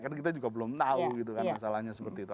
karena kita juga belum tahu gitu kan masalahnya seperti itu